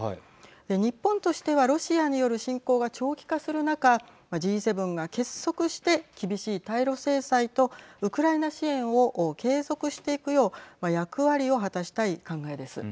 日本としてはロシアによる侵攻が長期化する中Ｇ７が結束して厳しい対ロ制裁とウクライナ支援を継続していくよう役割を果たしたい考えです。